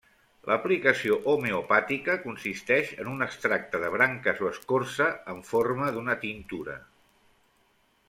L'aplicació homeopàtica consisteix en un extracte de branques o escorça en forma d'una tintura.